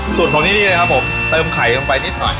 ส่วนของนี่นะครับผมเติมไข่ลงไปนิดหน่อย